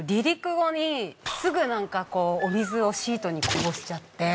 すぐなんかこうお水をシートにこぼしちゃって。